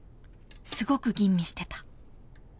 ［すごく吟味してた］